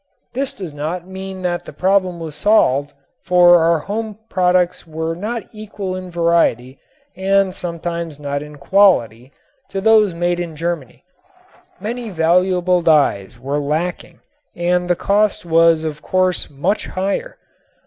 This does not mean that the problem was solved, for the home products were not equal in variety and sometimes not in quality to those made in Germany. Many valuable dyes were lacking and the cost was of course much higher.